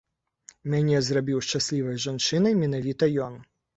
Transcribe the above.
Мяне зрабіў шчаслівай жанчынай менавіта ён.